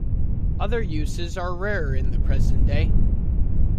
Other uses are rarer in the present day.